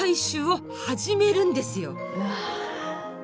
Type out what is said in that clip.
うわ。